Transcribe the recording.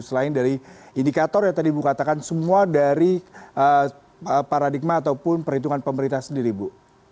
selain dari indikator yang tadi ibu katakan semua dari paradigma ataupun perhitungan pemerintah sendiri bu